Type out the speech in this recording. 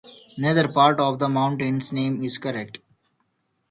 Neither part of the monument's name is correct.